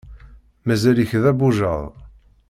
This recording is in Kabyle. Mazal-ik d abujad.